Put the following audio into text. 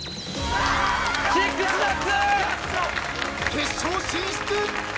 ［決勝進出］